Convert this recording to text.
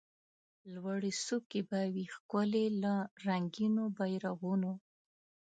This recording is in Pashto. لوړي څوکي به وي ښکلي له رنګینو بیرغونو